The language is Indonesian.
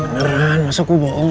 beneran masa aku bohong